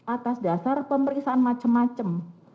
atas dasar pemeriksaan macam macam